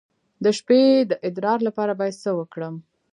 د شپې د ادرار لپاره باید څه وکړم؟